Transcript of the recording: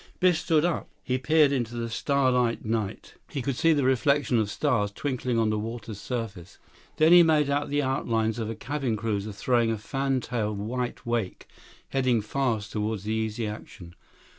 Biff stood up. He peered into the starlight night. He could see the reflection of stars twinkling on the water's surface. Then he made out the outlines of a cabin cruiser throwing a fan tail white wake, heading fast toward the Easy Action.